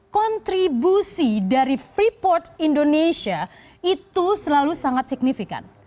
kontribusi dari freeport indonesia itu selalu sangat signifikan